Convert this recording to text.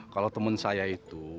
kalo temen saya itu